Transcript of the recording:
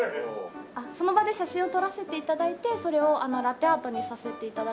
その場で写真を撮らせて頂いてそれをラテアートにさせて頂くので。